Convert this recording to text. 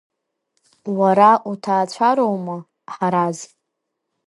Уара уҭаацәароума, Ҳараз?